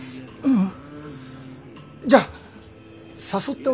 うん。